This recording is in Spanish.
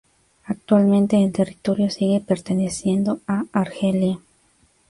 Actualmente el territorio sigue perteneciendo a Argelia.